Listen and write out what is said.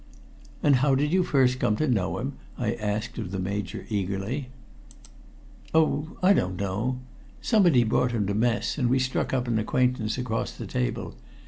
"And how did you first come to know him?" I asked of the Major eagerly. "Oh, I don't know. Somebody brought him to mess, and we struck up an acquaintance across the table.